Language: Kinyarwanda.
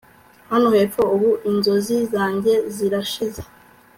hano hepfo, ubu, inzozi zanjye zirashize